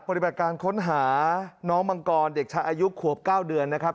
ปฏิบัติการค้นหาน้องมังกรเด็กชายอายุขวบ๙เดือนนะครับ